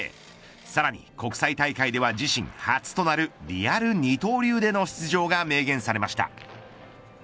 さらに国際大会では自身初となるリアル二刀流での出場が明言されました。